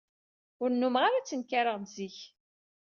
Ur nnumeɣ ara ttnekkareɣ-d zik.